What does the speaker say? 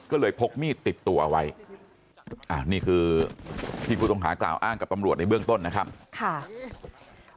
ก็เลยพกมีดติดตัวเอาไว้นี่คือที่ผู้ต้องหากล่าวอ้างกับตำรวจในเบื้องต้นนะครับค่ะ